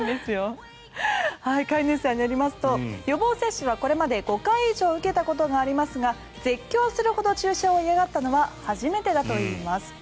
飼い主さんによりますと予防接種はこれまで５回以上受けたことがありますが絶叫するほど注射を嫌がったのは初めてだといいます。